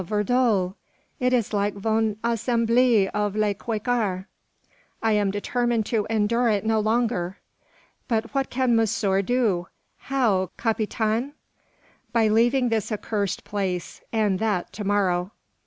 ver doll. It is like von assemblee of le Quaker." "I am determined to endure it no longer." "But what can monsieur do? How, capitaine?" "By leaving this accursed place, and that to morrow."